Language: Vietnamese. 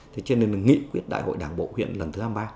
thế cho nên là nghị quyết đại hội đảng bộ huyện lần thứ hai mươi ba